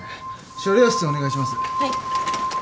初療室お願いします。